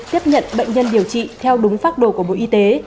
tiếp nhận bệnh nhân điều trị theo đúng phác đồ của bộ y tế